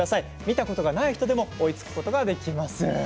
見たことがない人でも追いつくことができます。